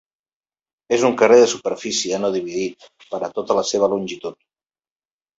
És un carrer de superfície no dividit per a tota la seva longitud.